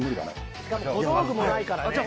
しかも小道具もないからね。